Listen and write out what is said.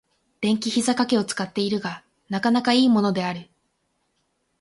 電気ひざかけを使っているが、なかなか良いものである。